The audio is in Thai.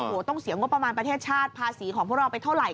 โอ้โหต้องเสียงบประมาณประเทศชาติภาษีของพวกเราไปเท่าไหร